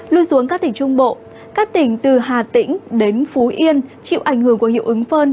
lui xuống các tỉnh trung bộ các tỉnh từ hà tĩnh đến phú yên chịu ảnh hưởng của hiệu ứng phơn